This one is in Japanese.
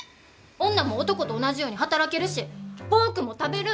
女も男と同じように働けるしポークも食べる！